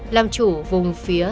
làm chủ vùng phía